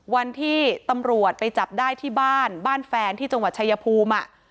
วันที่ตำรวจไปจับได้ที่บ้านบ้านแฟนที่จังหวัดชายภูมิ